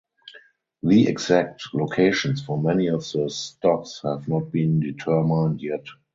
The exact locations for many of the stops have not been determined yet.